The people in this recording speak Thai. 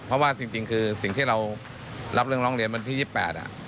เพราะว่าจริงคือสิ่งที่เรารับเรื่องร้องเรียนวันที่๒๘